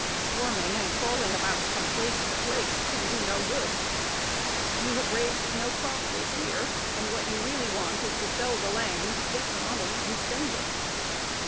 Squirming and crawling about from place to place can do no good. You have raised no crop this year; and what you really want is to sell the land, get the money, and spend it.